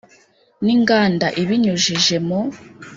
n inganda ibinyujije mu